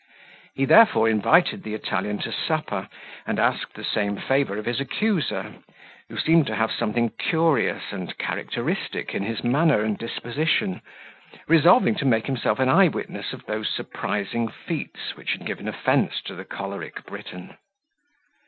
He therefore invited the Italian to supper, and asked the same favour of his accuser, who seemed to have something curious and characteristic in his manner and disposition, resolving to make himself an eye witness of those surprising feats which had given offence to the choleric Briton.